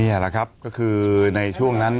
นี่แหละครับในช่วงนั้น